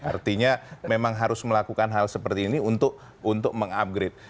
artinya memang harus melakukan hal seperti ini untuk mengupgrade